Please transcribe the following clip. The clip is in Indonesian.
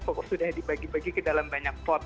pokoknya sudah dibagi bagi ke dalam banyak port